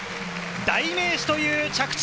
代名詞という着地。